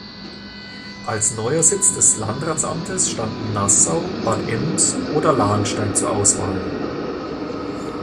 Als neuer Sitz des Landratsamtes standen Nassau, Bad Ems oder Lahnstein zur Auswahl.